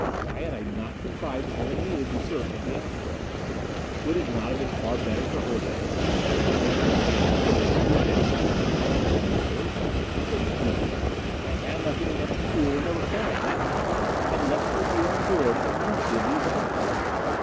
Why had I not contrived to have Anita desert at the asteroid? Would it not have been far better for her there? Taking her chance for rescue with Dr. Frank, Venza and the others? But no! I had, like an inept fool, never thought of that! Had left her here on board at the mercy of these outlaws.